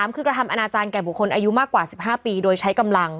คือกระทำอนาจารย์แก่บุคคลอายุมากกว่า๑๕ปีโดยใช้กำลัง